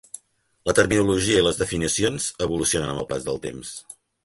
La terminologia i les definicions evolucionen amb el pas del temps.